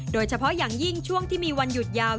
โดยเฉพาะอย่างยิ่งช่วงที่มีวันหยุดยาว